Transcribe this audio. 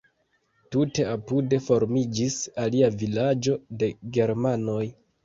Tute apude formiĝis alia vilaĝo de germanoj.